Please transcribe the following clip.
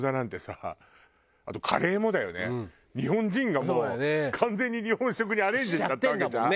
日本人がもう完全に日本食にアレンジしちゃったわけじゃん？